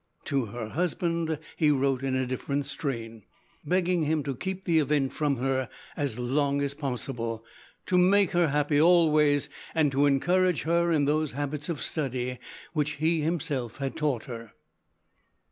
To her husband he wrote in a different strain, begging him to keep the event from her as long as possible, to make her happy always, and to encourage her in those habits of study which he himself had taught her.